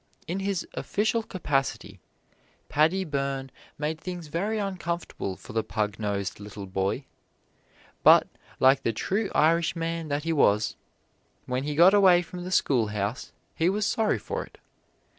In his official capacity Paddy Byrne made things very uncomfortable for the pug nosed little boy, but, like the true Irishman that he was, when he got away from the schoolhouse he was sorry for it.